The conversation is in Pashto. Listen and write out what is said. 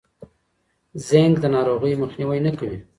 زینک د ناروغۍ مخنیوی نه کوي.